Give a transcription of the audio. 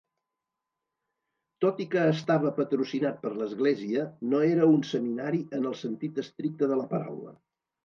Tot i que estava patrocinat per l'església, no era un seminari en el sentit estricte de la paraula.